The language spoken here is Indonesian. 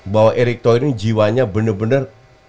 bahwa eric toyer ini jiwanya bener bener